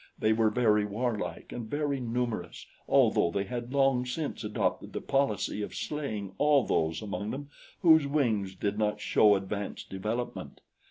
They were very warlike and very numerous, although they had long since adopted the policy of slaying all those among them whose wings did not show advanced development.